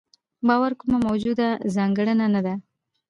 باور کومه موجوده ځانګړنه نه ده.